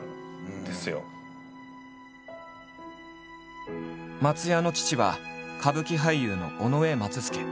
松也の父は歌舞伎俳優の尾上松助。